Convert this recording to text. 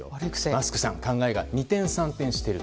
マスクさん考えが二転三転している。